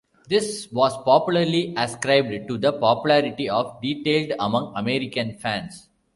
This was popularly ascribed to the popularity of detailed among American fans.